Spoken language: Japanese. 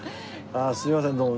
すいませんどうも。